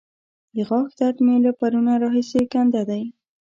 د غاښ درد مې له پرونه راهسې کنده دی.